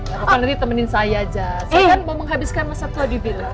pokoknya nanti temenin saya aja saya kan mau menghabiskan masa tua di villa